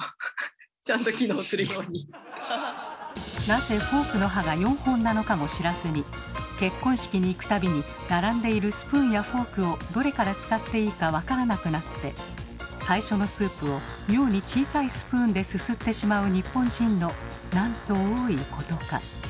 なぜフォークの歯が４本なのかも知らずに結婚式に行く度に並んでいるスプーンやフォークをどれから使っていいか分からなくなって最初のスープを妙に小さいスプーンですすってしまう日本人のなんと多いことか。